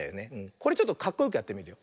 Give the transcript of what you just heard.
これちょっとかっこよくやってみるよ。